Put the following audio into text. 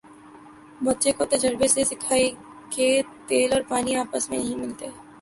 بچے کو تجربے سے سکھائیں کہ تیل اور پانی آپس میں نہیں ملتے